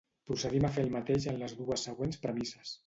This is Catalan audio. Procedim a fer el mateix en les dues següents premisses.